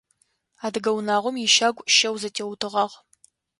Адыгэ унагъом ищагу щэу зэтеутыгъагъ.